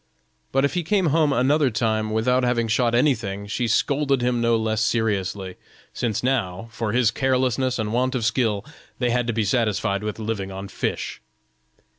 But if he came home another time without having shot anything she scolded him no less seriously, since now, from his carelessness and want of skill, they had to be satisfied with living on fish.